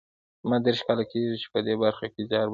زما دېرش کاله کېږي چې په دې برخه کې زیار باسم